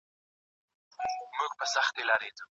کومه ميرمن جنتي ده؟